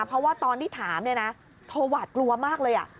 เพราะว่าตอนที่ถามเนี่ยนะโทรหวาดกลัวมากเลย